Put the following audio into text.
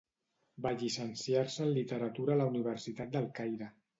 Va llicenciar-se en literatura a la Universitat del Caire.